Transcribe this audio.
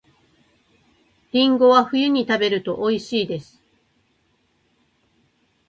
りんごは冬に食べると美味しいです